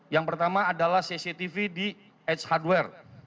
yang pertama adalah cctv di h hardware